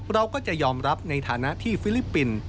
เราก็จะยอมรับในฐานะที่ฟิลิปปินส์